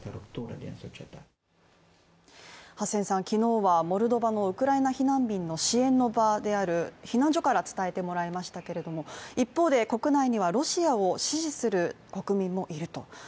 昨日はモルドバのウクライナ避難民の支援の場である避難所から伝えてもらいましたけれども一方で国内には、ロシアを支持する国民もいると。